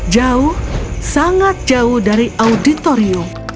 jauh sangat jauh dari auditorium